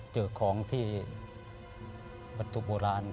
เจอของที่วัตถุโบราณ